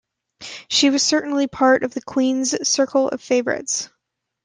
She was certainly part of the Queen's circle of favorites.